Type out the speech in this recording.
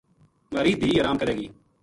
مھاری دِھی ارام کرے گی“